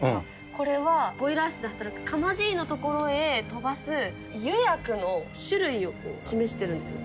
これはボイラー室で働く釜爺の所へ飛ばす湯薬の種類を示してるんですよ。